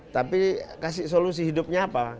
tapi kasih solusi hidupnya apa